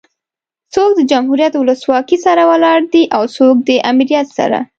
څوک د جمهوريت ولسواکي سره ولاړ دي او څوک ده امريت سره